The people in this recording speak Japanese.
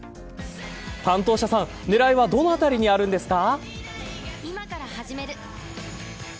担当者さん、狙いはどのあたりにあるんですか。